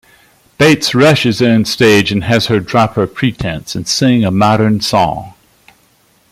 Bates rushes onstage and has her drop her pretense and sing a modern song.